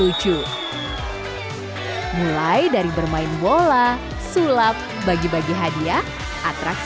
oke terima kasih kakak